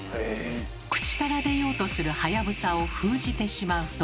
口から出ようとする「はやぶさ」を封じてしまうと。